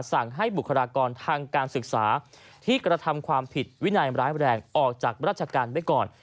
สั่งให้บุคลากรทางการศึกษาที่กระทำความผิดวินัยร้ายแรงออกจากราชการไว้ก่อน